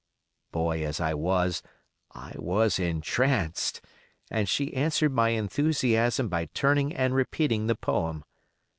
Boy as I was, I was entranced, and she answered my enthusiasm by turning and repeating the poem.